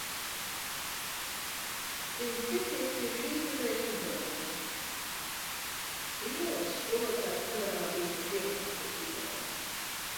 Pirms ķerties pie šīs nedēļas uzdevumiem... Vijoles skolotājas norādījumi vienkārši tiek ignorēti...